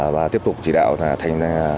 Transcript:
và tiếp tục chỉ đạo thành